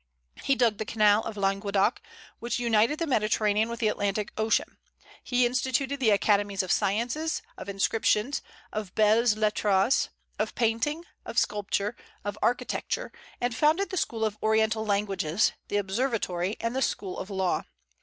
He dug the canal of Languedoc, which united the Mediterranean with the Atlantic Ocean. He instituted the Academies of Sciences, of Inscriptions, of Belles Lettres, of Painting, of Sculpture, of Architecture; and founded the School of Oriental languages, the Observatory, and the School of Law.